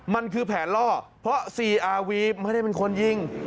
มันคือแผนล่อเพราะซีอาวีฟไม่ได้เป็นคนยิง